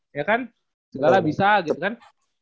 ya kan segala bisa gitu kan